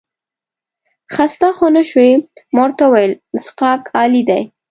خسته خو نه شوې؟ ما ورته وویل څښاک عالي دی.